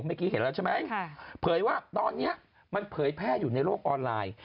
เมื่อกี้เห็นแล้วใช่ไหมเผยว่าตอนนี้มันเผยแพร่อยู่ในโลกออนไลน์